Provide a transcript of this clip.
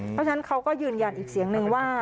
เพราะฉะนั้นเขาก็ยืนยันอีกเสียงนึงว่า